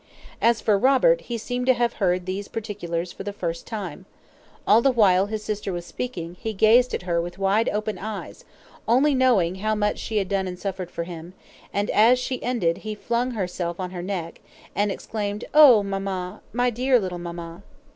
As for Robert, he seemed to have heard these particulars for the first time. All the while his sister was speaking, he gazed at her with wide open eyes, only knowing now how much she had done and suffered for him; and, as she ended, he flung himself on her neck, and exclaimed, "Oh, mamma! My dear little mamma!"